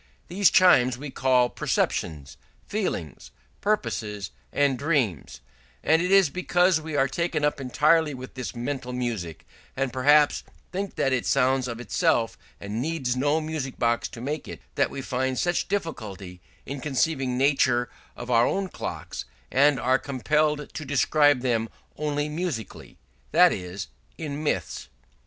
These chimes we call perceptions, feelings, purposes, and dreams; and it is because we are taken up entirely with this mental music, and perhaps think that it sounds of itself and needs no music box to make it, that we find such difficulty in conceiving the nature of our own clocks and are compelled to describe them only musically, that is, in myths.